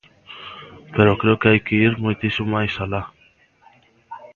Pero creo que hai que ir moitísimo máis alá.